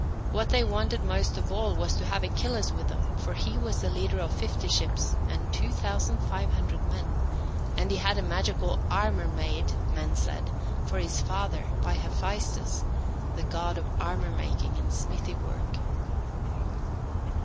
What they wanted most of all was to have Achilles with them, for he was the leader of fifty ships and 2,500 men, and he had magical armour made, men said, for his father, by Hephaestus, the God of armour making and smithy work.